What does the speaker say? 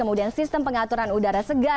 kemudian sistem pengaturan udara segar